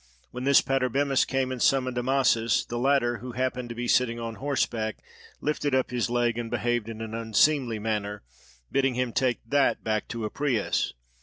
When this Patarbemis came and summoned Amasis, the latter, who happened to be sitting on horseback, lifted up his leg and behaved in an unseemly manner, bidding him take that back to Apries.